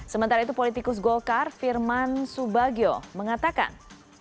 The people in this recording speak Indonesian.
sementara itu politikus golkar firman subagio mengatakan